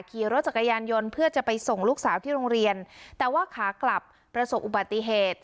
ขี่รถจักรยานยนต์เพื่อจะไปส่งลูกสาวที่โรงเรียนแต่ว่าขากลับประสบอุบัติเหตุ